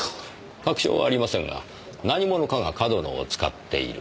確証はありませんが何者かが上遠野を使っている。